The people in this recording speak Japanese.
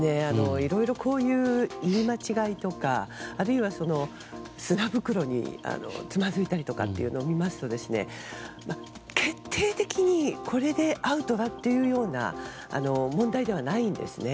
いろいろ、言い間違いとかあるいは砂袋につまずいたりとかを見ますと決定的にこれでアウトだっていうような問題ではないんですね。